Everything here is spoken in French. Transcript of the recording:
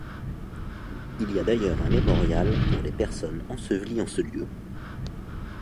Il y a d'ailleurs un mémorial pour les personnes ensevelies en ce lieu.